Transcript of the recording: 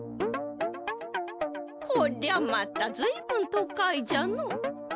こりゃまたずいぶん都会じゃの。